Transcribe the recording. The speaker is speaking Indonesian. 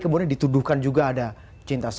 kemudian dituduhkan juga ada cinta